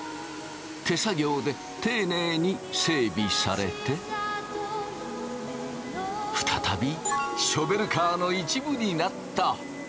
手作業でていねいに整備されて再びショベルカーの一部になった。